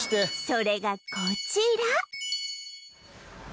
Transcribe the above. それがこちら！